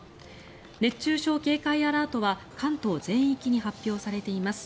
熱中症警戒アラートは関東全域に発表されています。